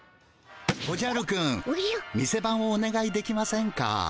おじゃるくん店番をおねがいできませんか？